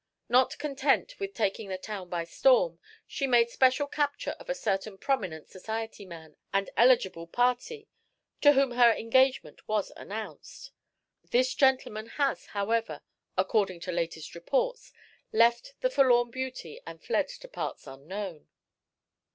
Not content with taking the town by storm, she made special capture of a certain prominent society man and eligible parti, to whom her engagement was announced. This gentleman has, however, according to latest reports, left the forlorn beauty and fled to parts unknown."